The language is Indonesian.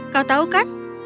kau tahu kan